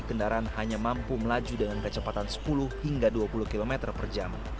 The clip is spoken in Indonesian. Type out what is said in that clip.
kendaraan hanya mampu melaju dengan kecepatan sepuluh hingga dua puluh km per jam